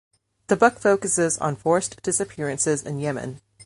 The book focuses on forced disappearances in Yemen.